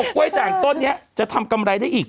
กล้วยด่างต้นนี้จะทำกำไรได้อีก